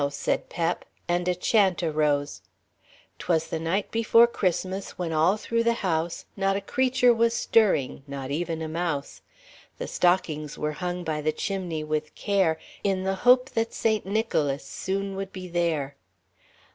said Pep. And a chant arose: "'Twas the night before Christmas when all through the house Not a creature was stirring, not even a mouse. The stockings were hung by the chimney with care In the hope that Saint Nicholas soon would be there...."